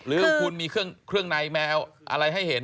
หรือคุณมีเครื่องในแมวอะไรให้เห็น